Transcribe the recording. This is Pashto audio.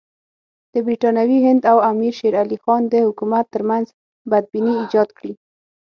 د برټانوي هند او امیر شېر علي خان د حکومت ترمنځ بدبیني ایجاد کړي.